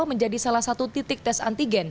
menjadi salah satu titik tes antigen